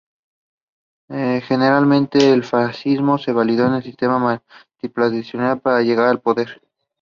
All consorts were palace maids known as Four Spring Ladies.